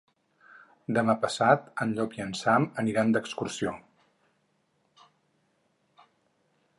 Demà passat en Llop i en Sam aniran d'excursió.